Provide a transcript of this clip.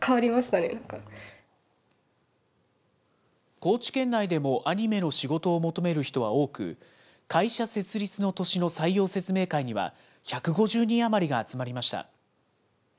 高知県内でもアニメの仕事を求める人は多く、会社設立の年の採用説明会には、１５０人余りが集まりました。